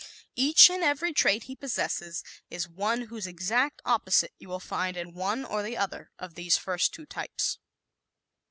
Each and every trait he possesses is one whose exact opposite you will find in one or the other of these first two types.